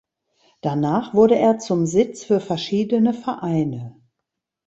Danach wurde er zum Sitz für verschiedene Vereine.